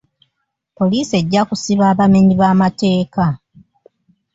Poliisi ejja kusiba abamenyi b'amateeka.